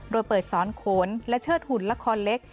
โดยเปิดสอนโขนและเชิดหุ่นละครเล็ก